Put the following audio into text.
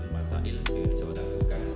masa ilmiah di jawa tenggara